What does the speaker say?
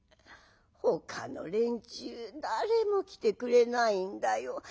ほかの連中誰も来てくれないんだよ」。